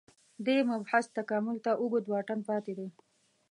دې مبحث تکامل ته اوږد واټن پاتې دی